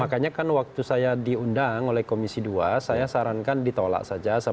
makanya kan waktu saya diundang oleh komisi dua saya sarankan ditolak saja